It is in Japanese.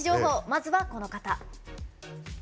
まずはこの方。